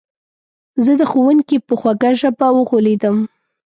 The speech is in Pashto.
زه د ښوونکي په خوږه ژبه وغولېدم